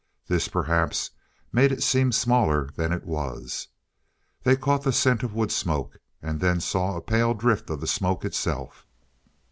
This, perhaps, made it seem smaller than it was. They caught the scent of wood smoke, and then saw a pale drift of the smoke itself.